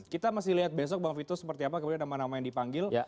kita masih lihat besok bang vito seperti apa kemudian nama nama yang dipanggil